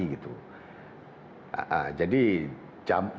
jadi janganlah kita mengecam atau menghukum